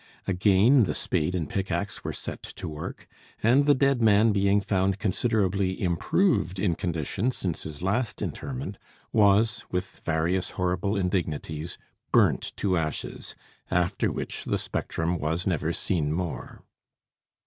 Again the spade and pick axe were set to work, and the dead man being found considerably improved in condition since his last interment, was, with various horrible indignities, burnt to ashes, "after which the spectrum was never seen more."